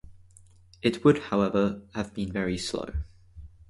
It would, however, have been very slow.